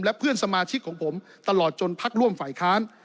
และเพื่อนสมาชิกของผมตลอดจนพักร่วมฝ่ายค้าน